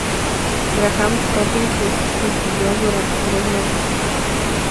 Graham Hopkins le sustituyó durante tres meses.